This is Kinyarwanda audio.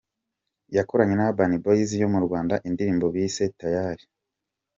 Yakoranye na Urban Boyz yo mu Rwanda indirimbo bise ‘Tayali’.